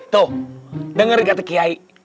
tuh denger kata kiai